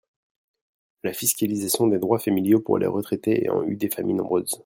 La fiscalisation des droits familiaux pour les retraités ayant eu des familles nombreuses